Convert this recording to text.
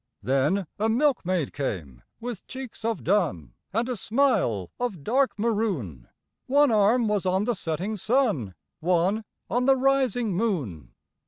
Then a milkmaid came with cheeks of dun And a smile of dark maroon, One arm was on the setting sun, One on the rising moon.